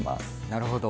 なるほど。